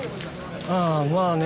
ああまあね。